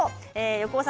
横尾さん